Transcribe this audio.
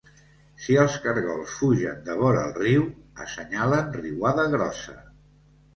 Si els caragols fugen de vora el riu, assenyalen riuada grossa.